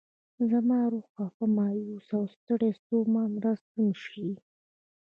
زما روح خفه، مایوس او ستړی ستومان راستون شي.